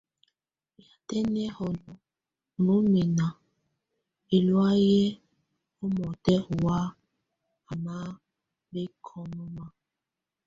Yatɛ nɛhɔnɔ ɔ nɔmɛna, ɛlɔa yɛ ɔmɔtɛ ɔwa ana bɛkɔŋɔna.